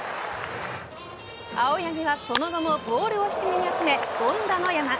青柳はその後もボールを低めに集め凡打の山。